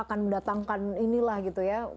akan mendatangkan inilah gitu ya